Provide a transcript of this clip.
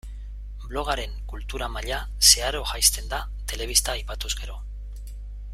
Blogaren kultura maila zeharo jaisten da telebista aipatuz gero.